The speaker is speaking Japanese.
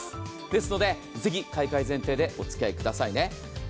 ですのでぜひ買い替え前提でおつきあいくださいね。